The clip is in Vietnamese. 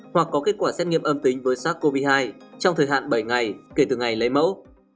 hoặc có kết quả xét nghiệm âm tính với sars cov hai trong thời hạn bảy ngày kể từ ngày lấy mẫu